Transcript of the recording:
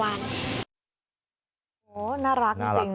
น่ารักจริงนะครับทีมข่าวได้ตามไปหาคือน้องมาแล้วนะครับ